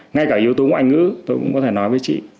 ngay cả yếu tố ngoại ngữ tôi cũng có thể nói với chị